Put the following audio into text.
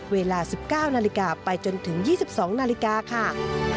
เวลา๑๙นาฬิกาไปจนถึง๒๒นาฬิกาค่ะ